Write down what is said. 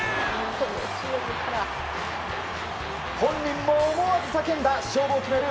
本人も思わず叫んだ勝負を決める